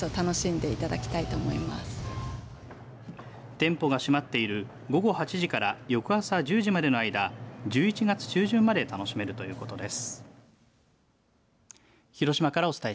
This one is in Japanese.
店舗が閉まっている午後８時から翌朝１０時までの間１１月中旬まで楽しめるということです。